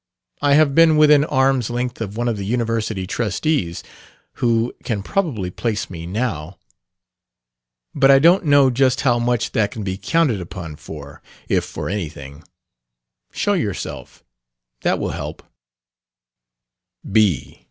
I have been within arm's length of one of the University trustees (who can probably place me now!) but I don't know just how much that can be counted upon for, if for anything. Show yourself, that will help.